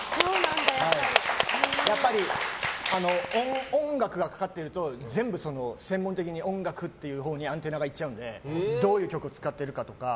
やっぱり、音楽がかかってると全部専門的に音楽っていうほうにアンテナがいっちゃうんでどういう曲使ってるかとか。